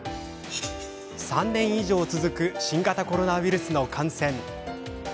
３年以上続く新型コロナウイルスの感染。